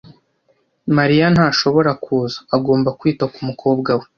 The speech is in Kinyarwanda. Mariya ntashobora kuza. Agomba kwita ku mukobwa we.